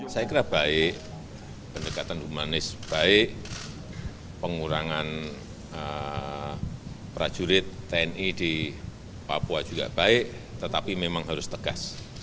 saya kira baik pendekatan humanis baik pengurangan prajurit tni di papua juga baik tetapi memang harus tegas